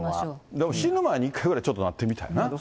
でも死ぬ前に１回ぐらいなってみたいな。